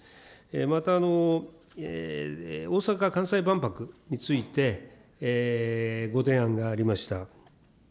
また大阪・関西万博について、ご提案がありました。